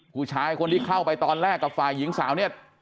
ผู้ชายคนที่เข้าไปตอนแรกกับฝ่ายหญิงสาวเนี่ย